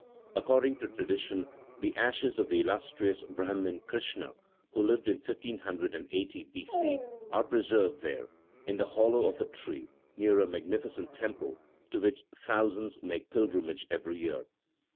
According to tradition, the ashes of the illustrious Brahmin, Krishna, who lived in 1580 B.C., are preserved there, in the hollow of a tree, near a magnificent temple, to which thousands make pilgrimage every year.